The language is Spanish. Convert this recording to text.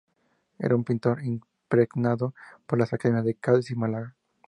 Era, un pintor impregnado por las Academias de Cádiz y Málaga.